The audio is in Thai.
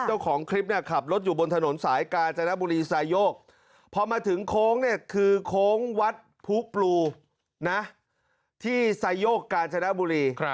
เจ้าของคลิปขับรถอยู่บนถนนสายกาจร้าบุรีสายโยกพอมาถึงโค้งคือโค้งวัดภูปลูที่สายโยกกาจร้าบุรี